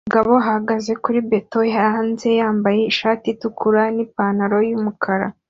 Umugabo uhagaze kuri beto hanze yambaye ishati itukura nipantaro yumukara